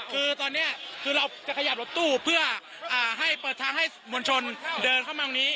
คือตอนนี้คือเราจะขยับรถตู้เพื่อให้เปิดทางให้มวลชนเดินเข้ามาตรงนี้